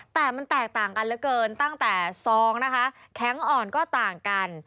แต่มันแตกต่างกันเหลือเกินตั้งแต่ซองนะคะแข็งอ่อนก็ต่างกัน